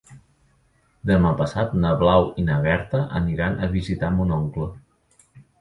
Demà passat na Blau i na Berta aniran a visitar mon oncle.